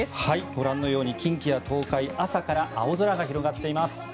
ご覧のように近畿や東海朝から青空が広がっています。